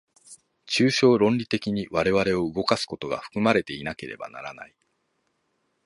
抽象論理的に我々を動かすことが含まれていなければならない。